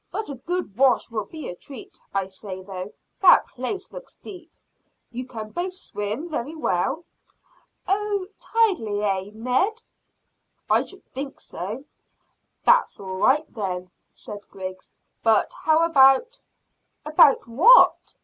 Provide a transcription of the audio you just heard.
But a good wash will be a treat. I say, though, that place looks deep. You can both swim very well?" "Oh, tidily eh, Ned?" "I should think so!" "That's all right then," said Griggs; "but how about " "About what?"